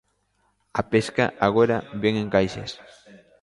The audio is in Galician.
A pesca, agora, vén en caixas.